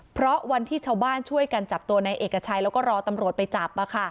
เพราะวันที่ชาวบ้านช่วยกันจับตัวในเอกชัยแล้วก็รอตำรวจไปจับ